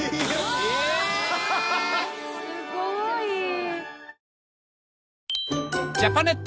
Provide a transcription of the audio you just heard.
すごい。